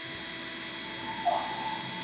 تاسو ارزښت لرئ.